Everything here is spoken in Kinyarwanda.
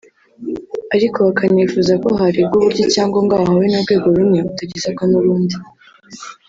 ariko bakanifuza ko harebwa uburyo icyangombwa wahawe n’urwego rumwe utagisabwa n’urundi